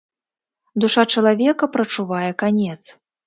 Душа чалавека прачувае канец.